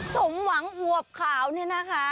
สมหวังอวบขาวเนี่ยนะคะ